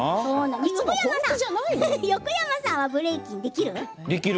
横山さんはブレイキンできる？